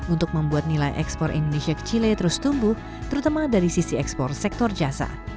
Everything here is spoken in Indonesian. untuk membuat nilai ekspor indonesia ke chile terus tumbuh terutama dari sisi ekspor sektor jasa